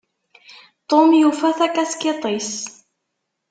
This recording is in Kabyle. Tom yufa takaskiṭ-is.